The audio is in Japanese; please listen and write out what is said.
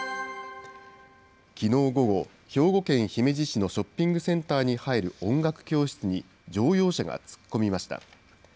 きのう午後、兵庫県姫路市のショッピングセンターに入る音楽教室に、乗用車が突っ込みました。